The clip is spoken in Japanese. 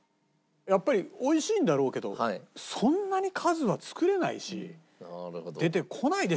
やっぱり美味しいんだろうけどそんなに数は作れないし出てこないでしょう。